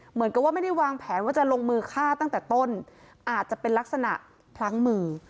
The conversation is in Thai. เหมือนกับว่าไม่ได้วางแผนว่าจะลงมือฆ่าตั้งแต่ต้นอาจจะเป็นลักษณะพลั้งมือ